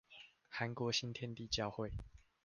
韓國新天地教會